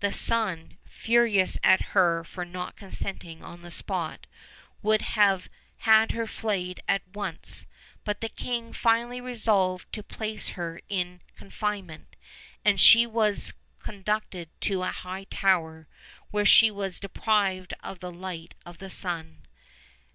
The son, furious at her not consenting on the spot, would have had her flayed at once; but the king finally resolved to placed her in confinement, and she was con ducted to a high tower, where she was deprived of the light of the sun.